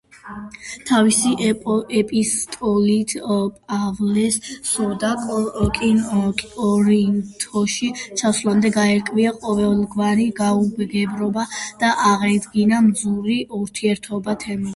თავისი ეპისტოლით პავლეს სურდა, კორინთოში ჩასვლამდე გაერკვია ყოველგვარი გაუგებრობა და აღედგინა ძმური ურთიერთობა თემთან.